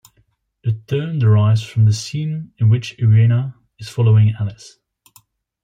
The term derives from the scene in which Irena is following Alice.